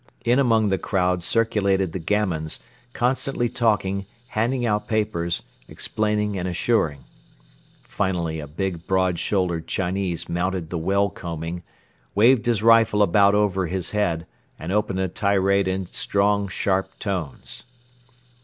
In among the crowd circulated the gamins, constantly talking, handing out papers, explaining and assuring. Finally a big, broad shouldered Chinese mounted the well combing, waved his rifle about over his head and opened a tirade in strong, sharp tones.